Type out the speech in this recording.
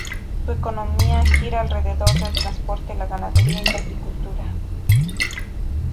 Su economía gira alrededor de el transporte, la ganadería y la agricultura.